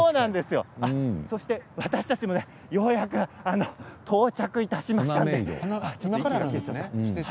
そして私たちも、ようやく到着いたしました。